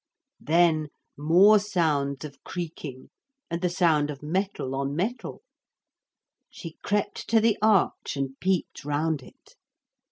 Then more sounds of creaking and the sound of metal on metal. She crept to the arch and peeped round it.